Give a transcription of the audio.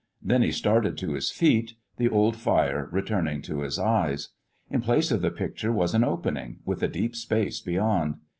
Then he started to his feet, the old fire returning to his eyes. In place of the picture was an opening, with a deep space beyond.